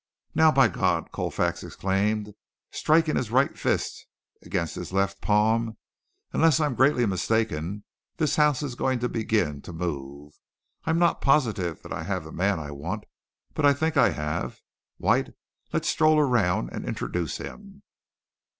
"Now, by God," Colfax exclaimed, striking his right fist against his left palm, "unless I am greatly mistaken, this house is going to begin to move! I'm not positive that I have the man I want, but I think I have. White, let's stroll around and introduce him."